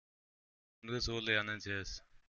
Nur so lernen sie es.